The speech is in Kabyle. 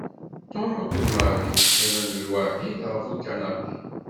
Tom akked Mary qqimen lwaḥid ɣef ukanapi.